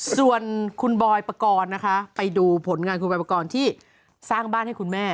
ส่วนคุณบอยปกรณ์นะคะไปดูผลงานคุณบอยปกรณ์ที่สร้างบ้านให้คุณแม่